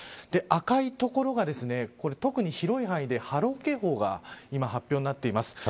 赤い所が特に広い範囲で波浪警報が今発表になっています。